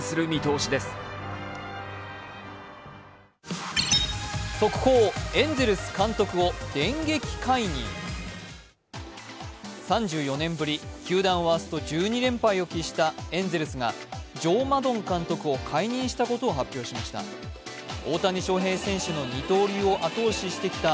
ワースト１２連敗を喫したエンゼルスがジョー・マドン監督を解任したことを発表しました。